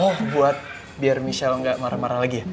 oh buat biar michelle nggak marah marah lagi ya